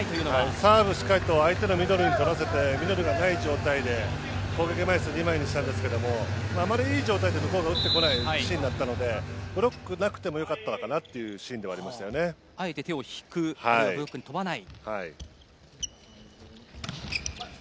サーブをしっかりと相手のミドルに取らせてミドルがない状態で攻撃枚数を２枚にしたんですけどあまりいい状態で向こうが打ってこないシーンだったのでブロックなくてもよかったシーンだったかなとあえて手を引くブロックに跳ばない。